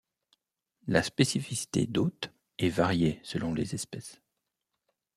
La spécificité d'hôte est variée selon les espèces.